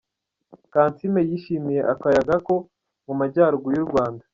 Kansiime yishimiye akayaga ko mu Majyaruguru y'u Rwanda.